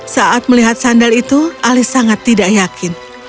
saat melihat sandal itu ali sangat tidak yakin